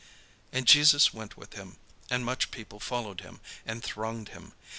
And Jesus went with him; and much people followed him, and thronged him.